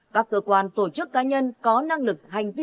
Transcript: các cơ quan tổ chức cá nhân có năng lực hành vi